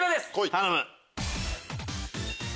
頼む！